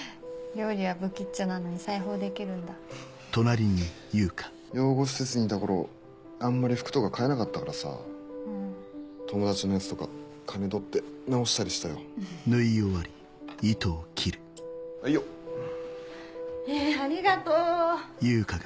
料理はぶきっちょなのに裁縫できるん養護施設にいた頃あんまり服とか買え友達のやつとか金取って直したりしたよはいよえありがとう！